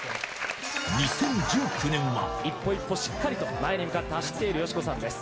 一歩一歩しっかりと、前に向かって走っている、よしこさんです。